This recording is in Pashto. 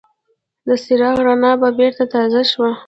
د څراغ رڼا به بېرته تازه شوه.